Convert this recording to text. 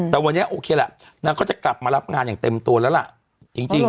แต่วันนี้โอเคแหละนางก็จะกลับมารับงานอย่างเต็มตัวแล้วล่ะจริง